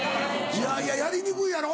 いやいややりにくいやろ？